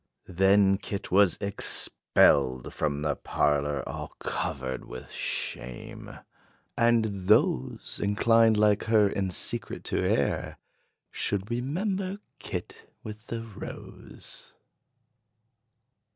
Then kit was expelled from the parlor All covered with shame. And those Inclined, like her, in secret to err, Should remember kit with the rose.